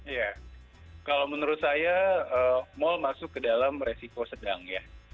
ya kalau menurut saya mall masuk ke dalam resiko sedang ya